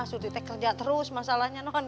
surti teh kerja terus masalahnya non